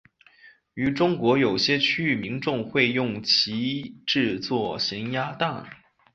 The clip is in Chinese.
于中国有些区域民众会用其制作咸鸭蛋。